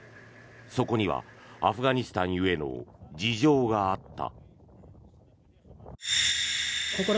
そこにはアフガニスタン故の事情があった。